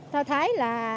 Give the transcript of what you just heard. theo thái là